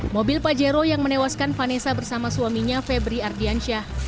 mobil pajero yang menewaskan vanessa bersama suaminya febri ardiansyah